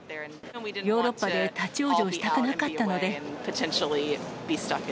ヨーロッパで立往生したくなかったので。